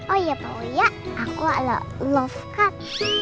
oh iya pak uya aku ada love card